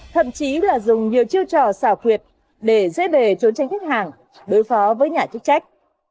thậm chí là dùng nhiều chiêu trò xảo quyệt để dễ bề trốn tranh khách hàng đối phó với nhà chức trách